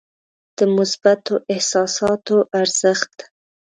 د مثبتو احساساتو ارزښت.